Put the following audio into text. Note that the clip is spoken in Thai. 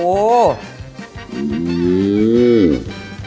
โอ้โห